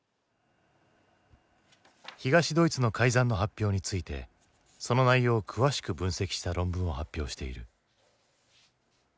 東ドイツの改ざんの発表についてその内容を詳しく分析した論文を発表している。